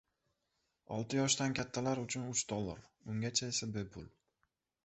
Olti yoshdan kattalar uchun uch dollar, ungacha esa bepul.